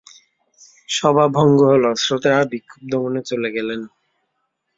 সভা ভঙ্গ হল, শ্রোতারা বিক্ষুব্ধ মনে চলে গেলেন।